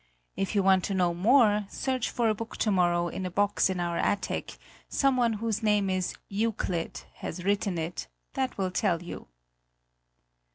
If you want to know more, search for a book tomorrow in a box in our attic; someone whose name is Euclid has written it; that will tell you."